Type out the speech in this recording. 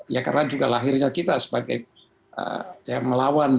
ya karena juga lahirnya kita sebagai yang melawan